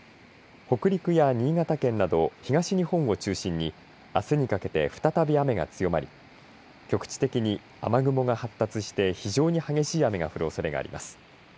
北陸や新潟県など東日本を中心にあすにかけて再び雨が強まり局地的に雨雲が発達して非常に激しい雨が降るおそれがあります。